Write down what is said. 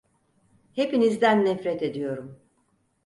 Hepinizden nefret ediyorum.